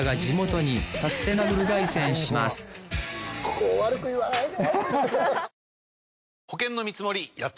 ここを悪く言わないで。